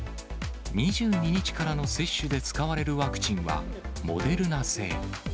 ２２日からの接種で使われるワクチンはモデルナ製。